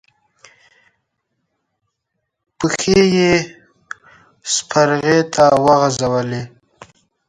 پښې يې سپرغې ته وغزولې.